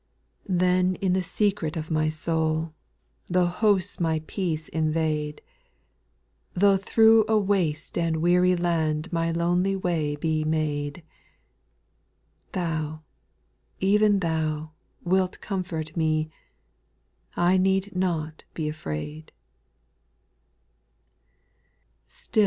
• 6. Then in the secret of my soul, Though hosts my peace invade, Though through a waste and weary land My lonely way be made, Thou, even Thou, wilt comfort me — I need not be afraid.